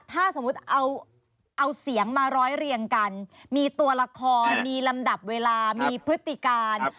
ถ้าสมมุติเอาเสียงมาร้อยเรียงกันมีตัวละครมีลำดับเวลามีพฤติการ